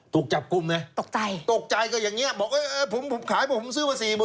ถูกจับกุมไหมตกใจก็อย่างนี้บอกผมขายผมซื้อมา๔๐๐๐๐